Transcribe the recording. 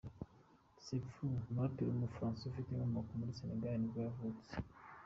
Sefyu, umuraperi w’umufaransa ufite inkomoko muri Senegal nibwo yavutse.